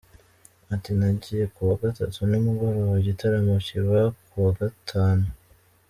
Ati "Nagiye ku wa Gatatu nimugoroba, igitaramo kiba ku wa Gatanu.